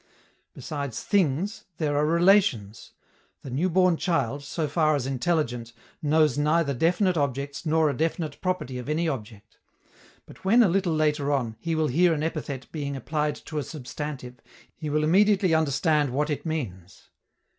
Besides things, there are relations. The new born child, so far as intelligent, knows neither definite objects nor a definite property of any object; but when, a little later on, he will hear an epithet being applied to a substantive, he will immediately understand what it means.